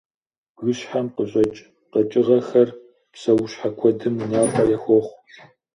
Бгыщхьэм къыщыкӏ къэкӏыгъэхэр псэущхьэ куэдым унапӏэ яхохъу.